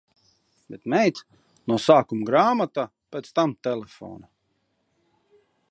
Bet meita – no sākuma grāmatā, pēc tam telefonā...